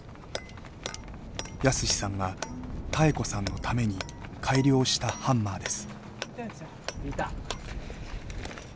泰史さんが妙子さんのために改良したハンマーです。